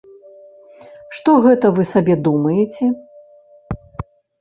Што гэта вы сабе думаеце?